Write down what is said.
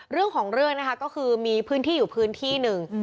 เรื่องของเรื่องนะคะก็คือมีพื้นที่อยู่พื้นที่หนึ่ง